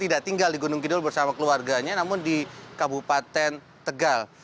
tidak tinggal di gunung kidul bersama keluarganya namun di kabupaten tegal